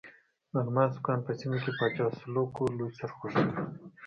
د الماسو کان په سیمه کې پاچا سلوکو لوی سرخوږی وو.